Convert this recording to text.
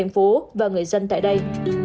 phố và người dân tại đây